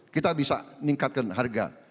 kita bisa meningkatkan harga